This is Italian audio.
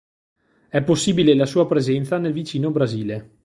È possibile la sua presenza nel vicino Brasile.